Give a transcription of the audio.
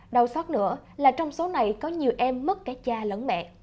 đầu thoát nữa là trong số này có nhiều em mất cả cha lớn mẹ